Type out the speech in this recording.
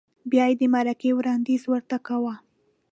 بیا یې د مرکې وړاندیز ورته کاوه؟